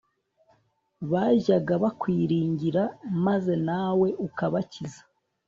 bajyaga bakwiringira, maze nawe ukabakiza